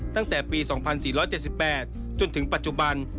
ตั้งแต่ปี๒๔๗๘จนถึงปัจจุบัน